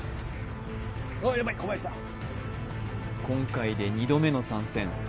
今回で２度目の参戦